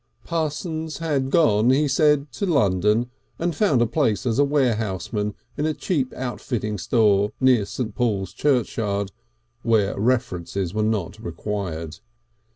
Parsons had gone, he said, to London, and found a place as warehouseman in a cheap outfitting shop near St. Paul's Churchyard, where references were not required.